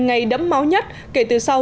ngày đấm máu nhất kể từ sau